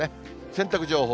洗濯情報。